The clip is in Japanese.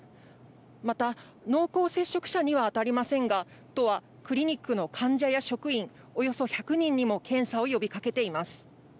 また、濃厚接触者には当たりませんが、都はクリニックの患者や職員およそ１００人にも、検査を呼びかけています。